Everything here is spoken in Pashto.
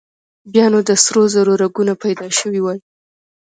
بيا نو د سرو زرو رګونه پيدا شوي وای.